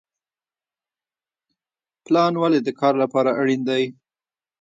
پلان ولې د کار لپاره اړین دی؟